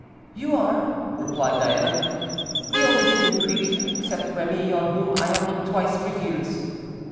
"You are," replied Diana, "the only human creature, except Remy, on whom I have looked twice for years."